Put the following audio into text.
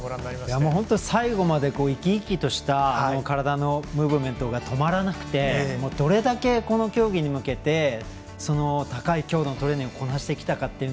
本当に最後まで生き生きとした体のムーブメントが止まらなくてどれだけこの競技に向けてトレーニングをこなしてきたか。